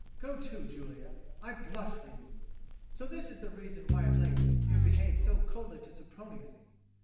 Go to, Julia, I blush for you! So this is the reason why of late you have behaved so coldly to Sempronius.